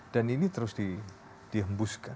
dan ini terus dihembuskan